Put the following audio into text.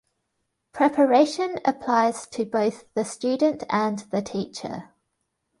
Preparation applies to both the student and the teacher.